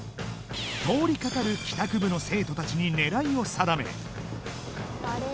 通りかかる帰宅部の生徒たちに狙いを定めあれ